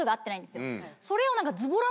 それを。